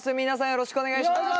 よろしくお願いします。